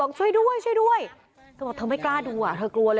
โรมอื้อนย้ายแล้วย้ายไปหาภาพบ้าปากกันน่ะ